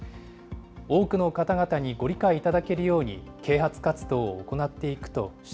多くの方々にご理解いただけるように、啓発活動を行っていくとし